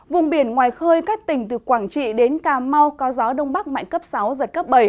vùng biển ngoài khơi các tỉnh từ quảng trị đến cà mau có gió đông bắc mạnh cấp sáu giật cấp bảy